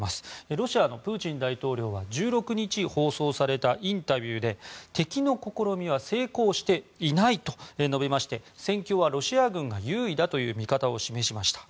ロシアのプーチン大統領は１６日、放送されたインタビューで敵の試みは成功していないと述べまして戦況はロシア軍が優位だという見方を示しました。